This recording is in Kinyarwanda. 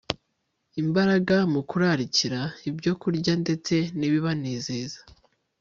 imbaraga mu kurarikira ibyokurya ndetse nibibanezeza